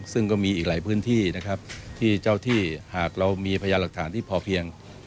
ซึ่งก็มีอีกหลายพื้นที่นะครับที่เจ้าที่หากเรามีพยานหลักฐานที่พอเพียง